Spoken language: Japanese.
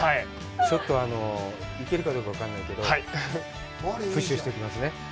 ちょっと行けるかどうか分からないけど、プッシュしときますね。